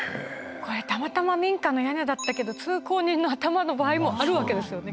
これたまたま民家の屋根だったけど通行人の頭の場合もあるわけですよね。